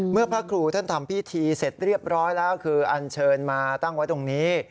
พระครูท่านทำพิธีเสร็จเรียบร้อยแล้วคืออันเชิญมาตั้งไว้ตรงนี้